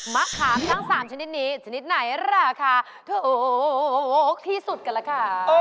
มะขามทั้ง๓ชนิดนี้ชนิดไหนราคาถูกที่สุดกันล่ะค่ะ